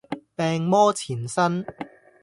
病魔纏身